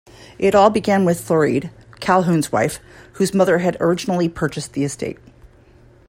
It all began with Floride, Calhoun's wife, whose mother had originally purchased the estate.